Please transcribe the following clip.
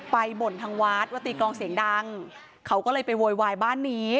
บ่นทางวัดว่าตีกลองเสียงดังเขาก็เลยไปโวยวายบ้านนี้